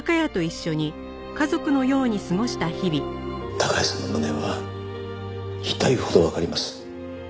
孝也さんの無念は痛いほどわかります。